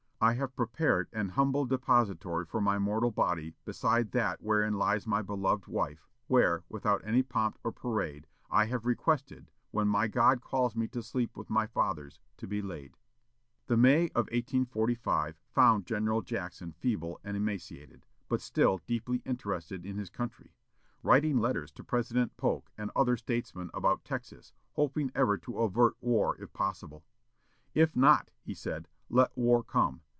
I have prepared an humble depository for my mortal body beside that wherein lies my beloved wife, where, without any pomp or parade, I have requested, when my God calls me to sleep with my fathers, to be laid." The May of 1845 found General Jackson feeble and emaciated, but still deeply interested in his country, writing letters to President Polk and other statesmen about Texas, hoping ever to avert war if possible. "If not," he said, "let war come.